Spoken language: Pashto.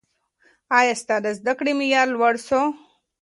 ایا ستا د زده کړې معیار لوړ سوی؟